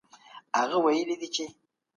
جهاد د باطل د تورې تیارې ختموونکی دی.